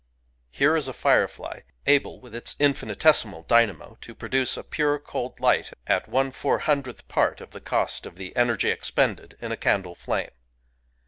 Here is a firefly, able, with its infinitesimal dynamo, to produce a pure cold light " at one four hundredth part of the cost of the energy expended in a candle flame